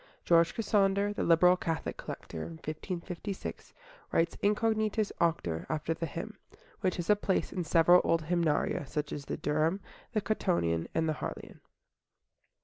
George Cassander, the liberal Catholic collector (1556), writes "Incognitus auctor" after the hymn, which has a place in several old Hymnaria, such as the Durham, the Cottonian, and the Harleian.